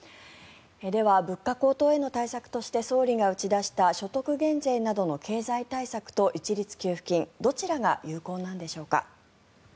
では、物価高騰への対策として総理が打ち出した所得減税などの経済対策と一律給付金どちらが有効なんでしょうか。